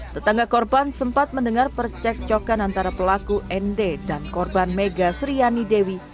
tetangga korban sempat mendengar percek cokan antara pelaku nd dan korban mega sriani dewi